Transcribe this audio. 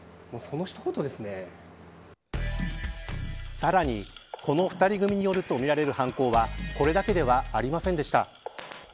さらに、この２人組によるとみられる犯行はこれだけではありませんでした。